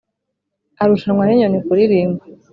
arushanwa n'inyoni kuririmba.